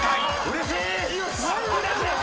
うれしい！